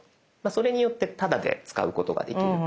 それによってタダで使うことができる。